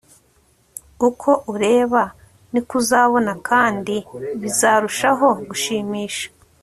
Uko ureba niko uzabona kandi bizarushaho gushimisha